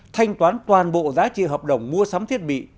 thanh toán toàn bộ giá trị hợp đồng mua sắm thiết bị